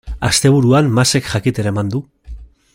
Asteburuan Masek jakitera eman du.